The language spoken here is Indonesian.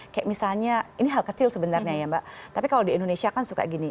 kayak misalnya ini hal kecil sebenarnya ya mbak tapi kalau di indonesia kan suka gini